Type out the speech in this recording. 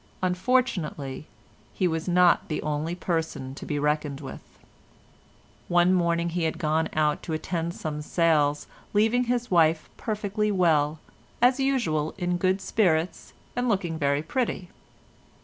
Unfortunately he was not the only person to be reckoned with. One morning he had gone out to attend some sales, leaving his wife perfectly well, as usual in good spirits, and looking very pretty.